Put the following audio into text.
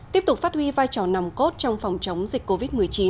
tiếp tục phát huy vai trò nằm cốt trong phòng chống dịch covid một mươi chín